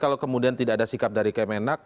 kalau kemudian tidak ada sikap dari kemenak